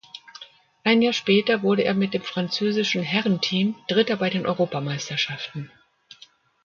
Ein Jahr später wurde er mit dem französischen Herrenteam Dritter bei den Europameisterschaften.